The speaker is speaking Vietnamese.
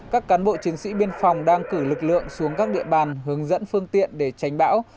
các cán bộ chiến sĩ biên phòng đang cử lực lượng xuống các địa bàn hướng dẫn phương tiện để tránh bão